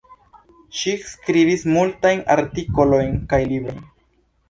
Ŝi skribis multajn artikolojn kaj librojn.